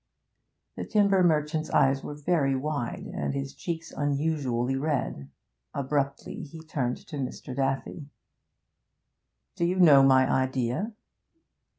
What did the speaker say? The timber merchant's eyes were very wide, and his cheeks unusually red. Abruptly he turned to Mr. Daffy. 'Do you know my idea?'